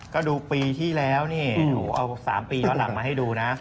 ก็ดูปีที่แล้วนี่หนูเอา๓ปีย้อนหลังมาให้ดูนะ